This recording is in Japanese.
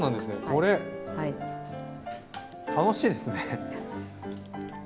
これ楽しいですね。